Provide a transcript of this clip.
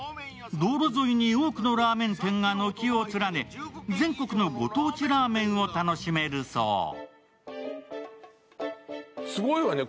道路沿いに多くのラーメン店が軒を連ね全国のご当地ラーメンを楽しめるそう。